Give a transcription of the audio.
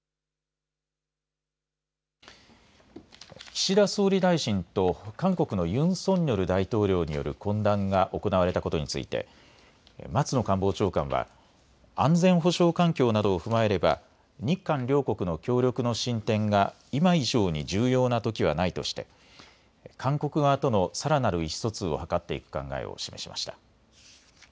岸田総理大臣と韓国のユン・ソンニョル大統領による懇談が行われたことについて松野官房長官は安全保障環境などを踏まえれば日韓両国の協力の進展が今以上に重要なときはないとして韓国側とのさらなる意思疎通を図っていく考えを示しました。